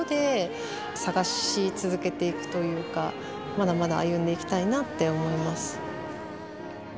まだまだ歩んでいきたいなって思います。